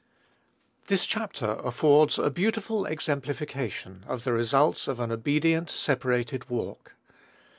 This chapter affords a beautiful exemplification of the results of an obedient, separated walk.